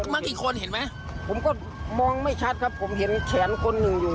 มากี่คนเห็นไหมผมก็มองไม่ชัดครับผมเห็นแขนคนหนึ่งอยู่